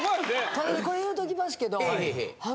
ただねこれ言うときますけど。